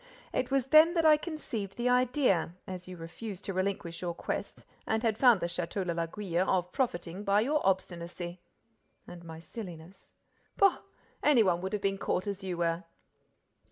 It was then that I conceived the idea, as you refused to relinquish your quest and had found the Château de l'Aiguille, of profiting by your obstinacy." "And my silliness." "Pooh! Any one would have been caught as you were!"